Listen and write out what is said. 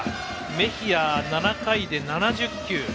メヒア、７回で７０球。